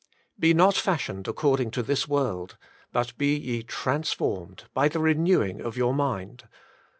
Be not fashioned according to this world ; but be ye transformed by the renewing of your mind."